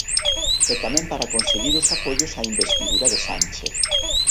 E tamén para conseguir os apoios á investidura de Sánchez.